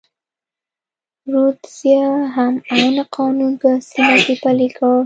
رودزیا هم عین قانون په سیمه کې پلی کړ.